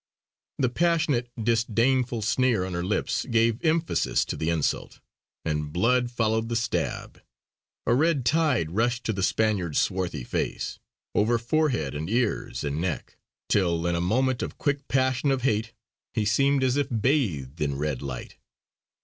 The passionate, disdainful sneer on her lips gave emphasis to the insult; and blood followed the stab. A red tide rushed to the Spaniard's swarthy face, over forehead and ears and neck; till, in a moment of quick passion of hate, he seemed as if bathed in red light.